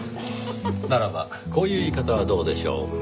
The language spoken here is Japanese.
ならばこういう言い方はどうでしょう？